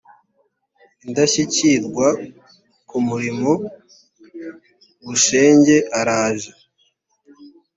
indashyikirwa ku murimo bushenge araje